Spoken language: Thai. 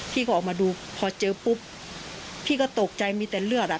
พี่ก็ออกมาดูพอเจอปุ๊บพี่ก็ตกใจมีแต่เลือดอ่ะ